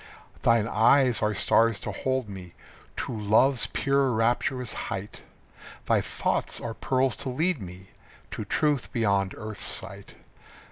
Thine eyes are stars to hold me To love's pure rapturous height. Thy thoughts are pearls to lead me To truth beyond earth's sight.